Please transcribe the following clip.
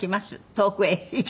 『遠くへ行きたい』。